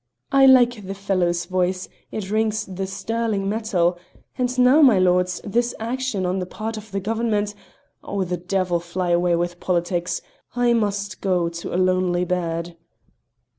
I like the fellow's voice, it rings the sterling metal.... And now, my lords, this action on the part of the Government.... Oh, the devil fly away with politics! I must go to a lonely bed!"